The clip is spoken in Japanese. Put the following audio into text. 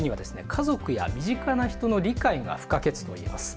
家族や身近な人の理解が不可欠といいます。